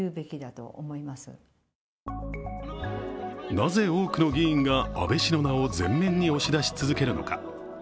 なぜ多くの議員が安倍氏の名を前面に押し出し続けるのか。